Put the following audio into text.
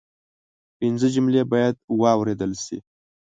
پنځه جملې باید واوریدل شي